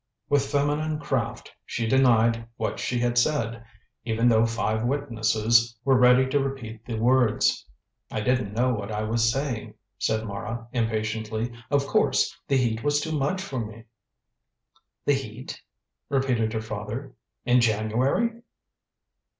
With feminine craft, she denied what she had said, even though five witnesses were ready to repeat the words. "I didn't know what I was saying," said Mara impatiently. "Of course, the heat was too much for me." "The heat?" repeated her father; "in January?"